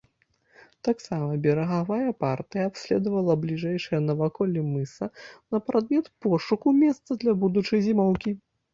Таксама берагавая партыя абследавала бліжэйшыя наваколлі мыса на прадмет пошуку месца для будучай зімоўкі.